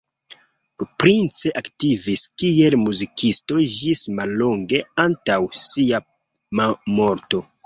Price aktivis kiel muzikisto ĝis mallonge antaŭ sia morto.